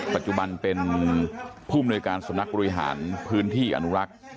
ปัจจุบันเป็นผู้มนวยการสำนักบริหารพื้นที่อนุรักษ์